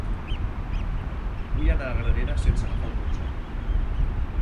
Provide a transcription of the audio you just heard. Vull anar a Granera sense agafar el cotxe.